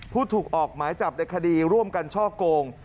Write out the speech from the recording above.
ถูกออกหมายจับในคดีร่วมกันช่อโกง